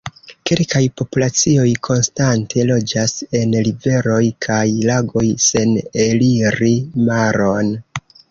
Kelkaj populacioj konstante loĝas en riveroj kaj lagoj sen eliri maron.